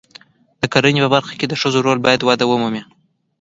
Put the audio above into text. د کرنې په برخه کې د ښځو رول باید وده ومومي.